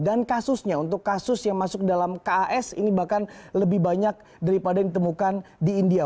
dan kasusnya untuk kasus yang masuk ke dalam kas ini bahkan lebih banyak daripada yang ditemukan di india